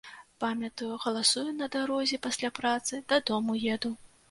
Памятаю, галасую на дарозе пасля працы, дадому еду.